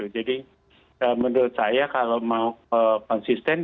jadi menurut saya kalau mau konsisten